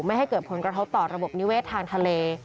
จัดคราบน้ำมันอยู่ไม่ให้เกิดผลกระเทาต่อระบบนิเวศทางทะเล